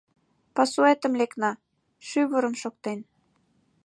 Пасуэтым лекна, шӱвырым шоктен